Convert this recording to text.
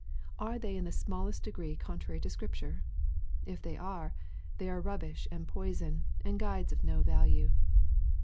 Are they in the smallest degree contrary to Scripture ? If they are, they are rubbish and poison, and guides of no value.